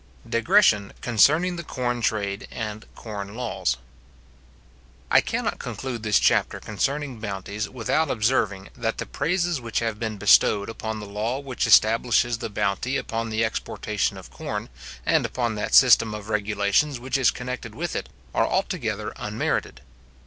Digression concerning the Corn Trade and Corn Laws. I cannot conclude this chapter concerning bounties, without observing, that the praises which have been bestowed upon the law which establishes the bounty upon the exportation of corn, and upon that system of regulations which is connected with it, are altogether unmerited.